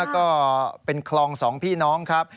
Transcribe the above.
ก็เป็นคลองสองพี่น้องครับ